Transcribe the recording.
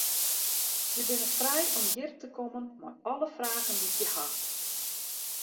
Je binne frij om hjir te kommen mei alle fragen dy't je ha.